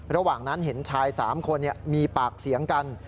ระหว่างนั้นเห็นชาย๓คนมีปากเสียงกัน